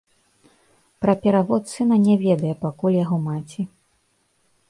Пра перавод сына не ведае пакуль яго маці.